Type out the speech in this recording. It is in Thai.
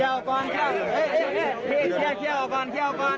เตี๋ยวก่อนเตี๋ยวก่อนเตี๋ยวก่อนเตี๋ยวก่อนเตี๋ยวก่อนเตี๋ยวก่อน